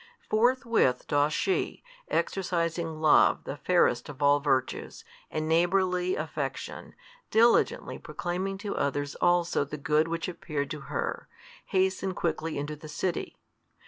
Forthwith doth she, exercising love the fairest of all virtues, and neighbourly affection, diligently proclaiming to others also the good which appeared to her, hasten quickly into the city.